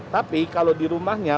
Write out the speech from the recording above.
tapi kalau di rumahnya